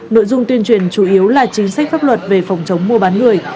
nội dung tuyên truyền chủ yếu là chính sách pháp luật về phòng chống mua bán người